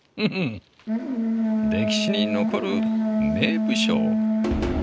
歴史に残る名武将。